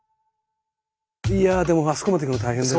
いやでもあそこまで行くの大変だよ。